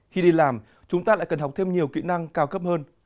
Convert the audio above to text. khi đi làm chúng ta lại cần học thêm nhiều kỹ năng cao cấp hơn